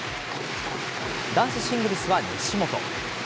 男子シングルスは西本。